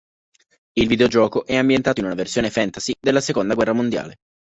Il videogioco è ambientato in una versione fantasy della seconda guerra mondiale.